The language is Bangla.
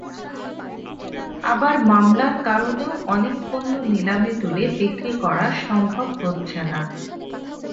আবার মামলার কারণেও অনেক পণ্য নিলামে তুলে বিক্রি করা সম্ভব হচ্ছে না।